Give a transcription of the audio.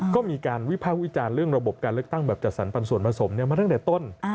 ก็มีการวิภาควิจารณ์เรื่องระบบการเลือกตั้งแบบจัดสรรปันส่วนผสมมาตั้งแต่ต้น